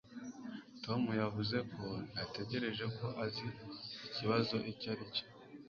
Tom yavuze ko yatekereje ko azi ikibazo icyo ari cyo